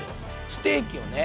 ステーキをね